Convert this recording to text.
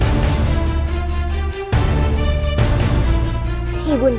kalian harus berjaya